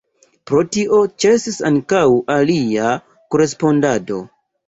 Pro tio ĉesis ankaŭ ilia korespondado.